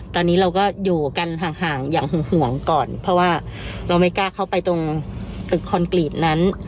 ตอนนี้เราก็อยู่กันห่างอย่างห่วงก่อนเพราะว่าเราไม่กล้าเข้าไปตรงตึกคอนกรีตนั้น